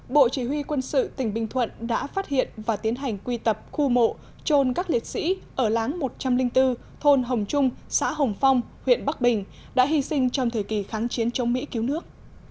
bộ chỉ huy quân sự tỉnh bình thuận đã phát hiện và tiến hành quy tập khu mộ trôn các liệt sĩ ở láng một trăm linh bốn thôn hồng trung xã hồng phong huyện bắc bình đã hy sinh trong thời kỳ kháng chiến chống mỹ cứu nước